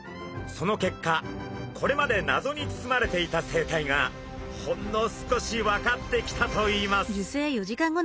その結果これまで謎に包まれていた生態がほんの少し分かってきたといいます。